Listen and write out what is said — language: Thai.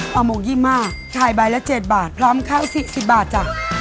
อากาศจี๋อิม่าขายบ่ายละเจตบาทพร้อมข้าวสี่สิบบาทจอ